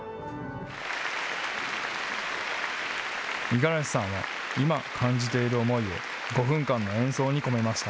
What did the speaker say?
五十嵐さんは今、感じている思いを５分間の演奏に込めました。